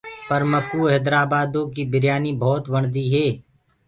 پر مڪو هيدرآبآدو ڪيٚ بِريآنيٚ ڀوت وڻديٚ هي۔